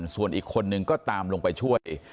ส่วนอีกคนนึงก็ตามลงไปช่วย